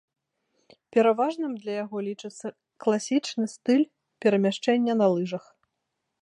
Пераважным для яго лічыцца класічны стыль перамяшчэння на лыжах.